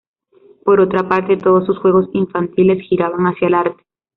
Por otra parte, todos sus juegos infantiles giraban hacia el arte.